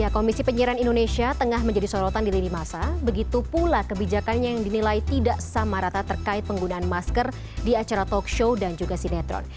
komisi penyiaran indonesia tengah menjadi sorotan di lini masa begitu pula kebijakannya yang dinilai tidak sama rata terkait penggunaan masker di acara talk show dan juga sinetron